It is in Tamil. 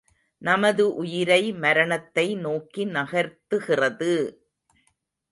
நமது உயிரை மரணத்தை நோக்கி நகர்த்துகிறது!